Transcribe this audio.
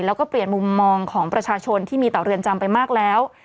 แล้วก็เปลี่ยนมุมมองของประชาชนที่มีต่อเรือนจำไปมากแล้ว